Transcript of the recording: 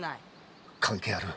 関係ある。